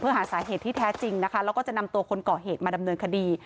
หาสาเหตุที่แท้จริงนะคะแล้วก็จะนำตัวคนก่อเหตุมาดำเนินคดี